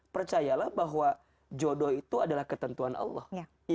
percayalah bahwa jodoh itu adalah ketentuan allah